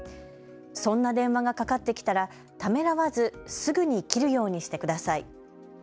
そんな電話がかかってきたらためらわずすぐに切るようにしてください。